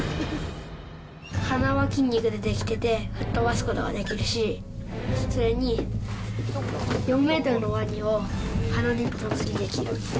鼻は筋肉で出来てて、吹っ飛ばすことができるし、それに４メートルのワニを鼻で一本釣りできる。